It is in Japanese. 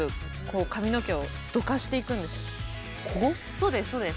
そうですそうです。